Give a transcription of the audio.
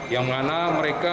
yang mana mereka